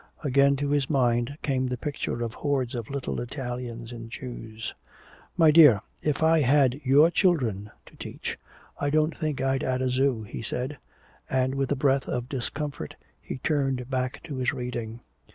Again to his mind came the picture of hordes of little Italians and Jews. "My dear, if I had your children to teach, I don't think I'd add a zoo," he said. And with a breath of discomfort he turned back to his reading.